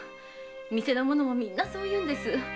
店の者も皆そう言うんです。